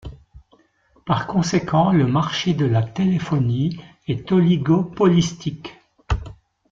Par conséquent, le marché de de la téléphonie est oligopolistique.